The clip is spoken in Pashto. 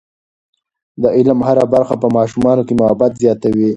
د علم هره برخه په ماشومانو کې محبت زیاتوي.